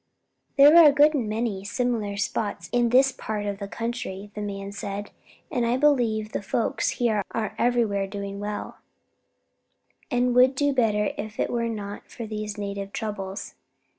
"There are a good many similar spots in this part of the country," the man said, "and I believe the folks here are everywhere doing well, and would do better if it were not for these native troubles.